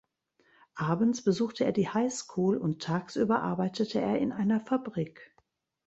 Abends besuchte er die High School und tagsüber arbeitete er in einer Fabrik.